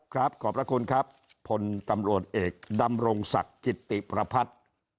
ขอบพระคุณครับพลตำรวจเอกดำรงศักดิ์กิตติประพัฒน์